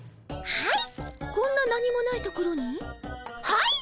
はい！